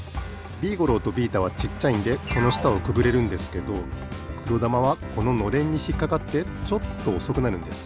ビーゴローとビータはちっちゃいんでこのしたをくぐれるんですけどくろだまはこののれんにひっかかってちょっとおそくなるんです。